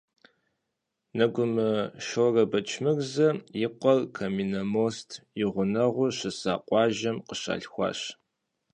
Нэгумэ Шорэ Бэчмырзэ и къуэр Каменномост и гъунэгъуу щыса къуажэм къыщалъхуащ.